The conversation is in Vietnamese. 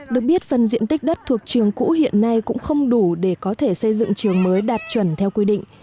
được biết phần diện tích đất thuộc trường cũ hiện nay cũng không đủ để có thể xây dựng trường mới đạt chuẩn theo quy định